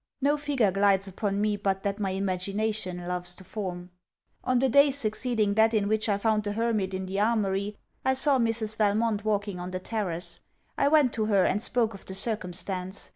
No figure glides upon me but that my imagination loves to form. On the day succeeding that in which I found the hermit in the Armoury, I saw Mrs. Valmont walking on the terrace. I went to her, and spoke of the circumstance.